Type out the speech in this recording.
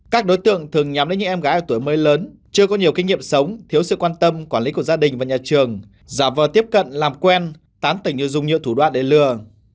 các đối tượng thường nhắm đến những em gái ở tuổi mới lớn chưa có nhiều kinh nghiệm sống thiếu sự quan tâm quản lý của gia đình và nhà trường giả vờ tiếp cận làm quen tán tỉnh dùng nhiều thủ đoạn để lừa